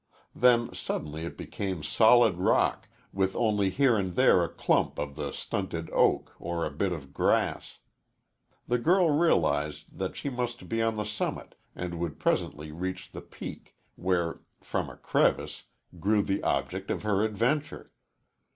Then suddenly it became solid rock, with only here and there a clump of the stunted oak, or a bit of grass. The girl realized that she must be on the summit and would presently reach the peak, where, from a crevice, grew the object of her adventure.